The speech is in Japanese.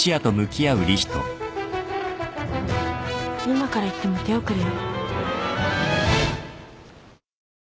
今から行っても手遅れよ。